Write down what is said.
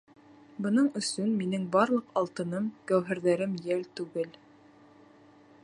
Бының өсөн минең барлыҡ алтыным, гәүһәрҙәрем йәл түгел.